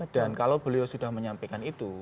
dan kalau beliau sudah menyampaikan itu